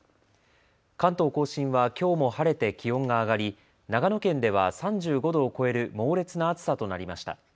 関東甲信はきょうも晴れて気温が上がり長野県では３５度を超える猛烈な暑さとなりました。